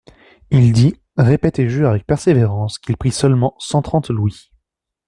Il dit, répète et jure avec persévérance qu'il prît seulement cent trente louis (p.